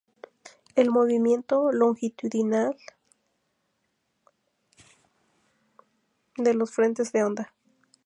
El movimiento longitudinal de los frentes de onda.